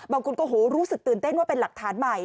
บางคนก็รู้สึกตื่นเต้นว่าเป็นหลักฐานใหม่